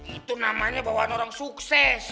itu namanya bawaan orang sukses